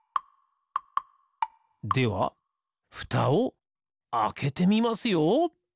ではふたをあけてみますよ！